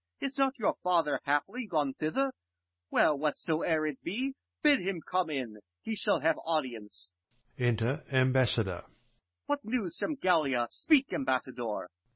is not your father haply Gone thither ? well, whatsoe'er it be, Bid him come in, he shall have audience. Enter Ambassador. What news from Gallia ? speak, ambassador.